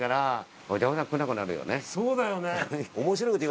そうだよね。